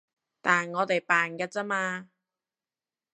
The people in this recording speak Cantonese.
但我哋扮㗎咋嘛